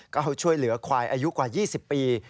เข้าช่วยเหลือควายอายุกว่า๒๐ปี